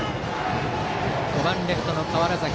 ５番レフトの川原崎。